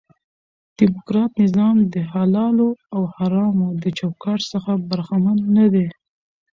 ډیموکراټ نظام دحلالو او حرامو د چوکاټ څخه برخمن نه دي.